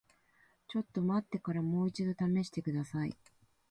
ちょっと待ってからもう一度試してください。